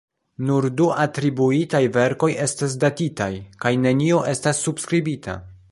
Nur du atribuitaj verkoj estas datitaj, kaj neniu estas subskribita.